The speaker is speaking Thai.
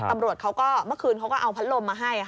ตำรวจเขาก็เมื่อคืนเขาก็เอาพัดลมมาให้